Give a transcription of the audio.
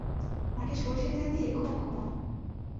নাকে সরষের তেল দিয়ে খুব ঘুমোও।